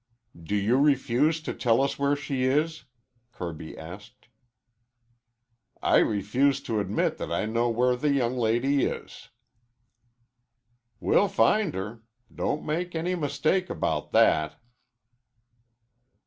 "Do you refuse to tell us where she is?" Kirby asked. "I refuse to admit that I know where the young lady is." "We'll find her. Don't make any mistake about that."